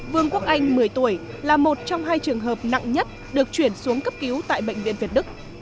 vương quốc anh một mươi tuổi là một trong hai trường hợp nặng nhất được chuyển xuống cấp cứu tại bệnh viện việt đức